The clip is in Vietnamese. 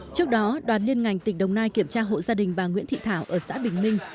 trước đó đoàn liên ngành tỉnh đồng nai kiểm tra hộ gia đình bà nguyễn thị thảo ở xã bình minh